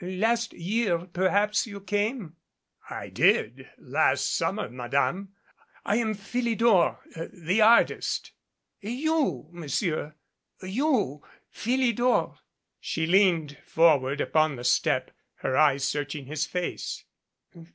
Last year perhaps, you came " "I did last summer, Madame. I am Philidor the artist." "You! Monsieur! You Philidor!" She leaned for ward upon the step, her eyes searching his face.